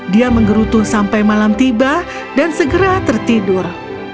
dia menggerutu sampai malam tiba dan segera tertidur